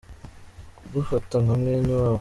kugufata nka mwene wabo.